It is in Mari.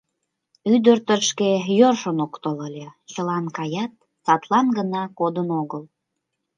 Ӱдыр тышке йӧршын ок тол ыле, чылан каят, садлан гына кодын огыл.